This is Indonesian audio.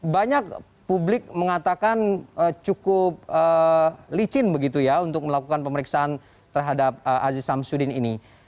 banyak publik mengatakan cukup licin begitu ya untuk melakukan pemeriksaan terhadap aziz samsudin ini